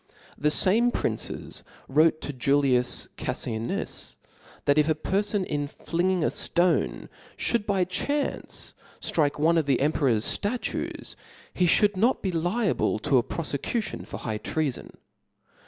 The fame princes wrote to Julias Caffianus, that if a perfon in flinging a ftone ftiould by chance ftrike one of the emperor's ftatues, he fliould not be liable to a profecution for high treafon (^).